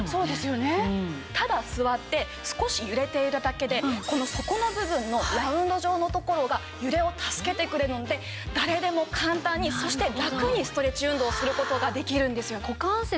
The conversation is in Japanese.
ただ座って少し揺れているだけでこの底の部分のラウンド状のところが揺れを助けてくれるので誰でも簡単にそしてラクにストレッチ運動する事ができるんですよ。